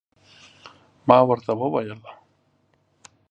ما ورته وویل